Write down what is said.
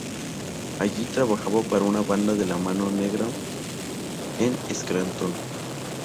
Allí trabajaría para una banda de la Mano Negra en Scranton.